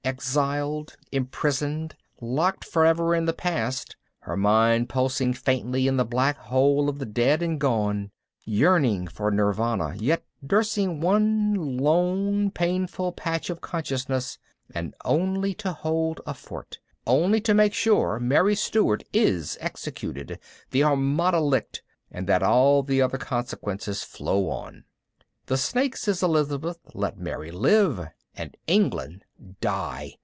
Exiled, imprisoned, locked forever in the past, her mind pulsing faintly in the black hole of the dead and gone, yearning for Nirvana yet nursing one lone painful patch of consciousness. And only to hold a fort! Only to make sure Mary Stuart is executed, the Armada licked, and that all the other consequences flow on. The Snakes' Elizabeth let Mary live ... and England die